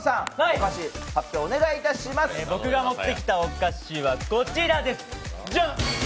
僕が持ってきたお菓子はこちらです、ジャン！